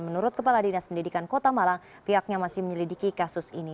menurut kepala dinas pendidikan kota malang pihaknya masih menyelidiki kasus ini